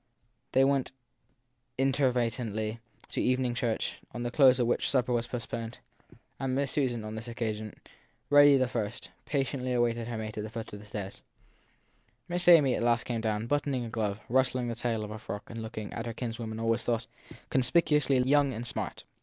They went inveter ately to evening church, to the close of which supper was post poned; and Miss Susan, on this occasion, ready the first, patiently awaited her mate at the foot of the stairs. Miss Amy at last came down, buttoning a glove, rustling the tail of a frock, and looking, as her kinswoman always thought, conspicuously young and smart.